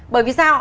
bởi vì sao